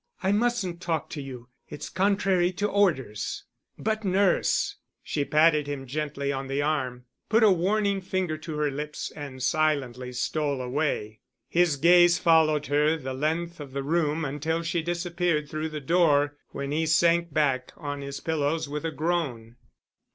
I mustn't talk to you. It's contrary to orders." "But nurse——" She patted him gently on the arm, put a warning finger to her lips, and silently stole away. His gaze followed her the length of the room until she disappeared through the door when he sank back on his pillows with a groan.